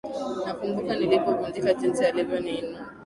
Nakumbuka nilipovunjika jinsi ulivyoniinua